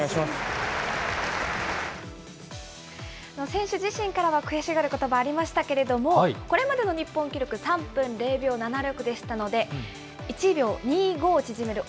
選手自身からは悔しがることば、ありましたけれども、これまでの日本記録、３分０秒７６ですので、１秒２５縮める